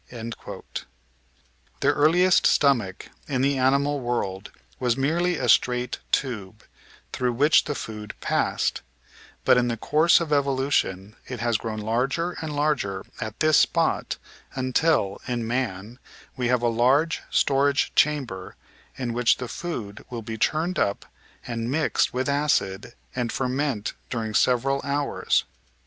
^ The earliest stomach in the animal world was merely a straight tube through which the food passed, but in the course of evolution it has grown larger and larger at this spot until (in man) we have a large storage chamber in which the food will be churned up and mixed with acid and ferment during several hours.